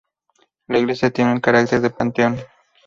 La iglesia tiene un carácter de panteón.